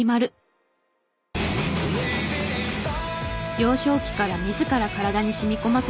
幼少期から自ら体に染み込ませた感覚。